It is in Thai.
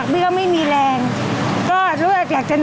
ขอบคุณมากด้วยค่ะพี่ทุกท่านเองนะคะขอบคุณมากด้วยค่ะพี่ทุกท่านเองนะคะ